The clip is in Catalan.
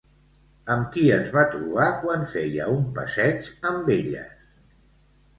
Amb qui es va trobar quan feia un passeig amb elles?